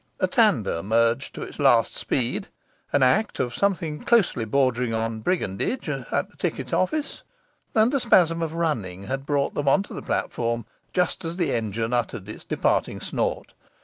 A tandem urged to its last speed, an act of something closely bordering on brigandage at the ticket office, and a spasm of running, had brought them on the platform just as the engine uttered its departing snort.